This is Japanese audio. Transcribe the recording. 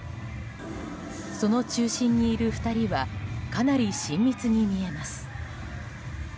その中心にいる２人はかなり親密に見えます。